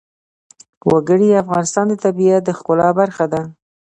وګړي د افغانستان د طبیعت د ښکلا برخه ده.